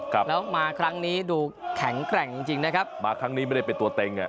ครับแล้วมาครั้งนี้ดูแข็งแกร่งจริงจริงนะครับมาครั้งนี้ไม่ได้เป็นตัวเต็งอ่ะ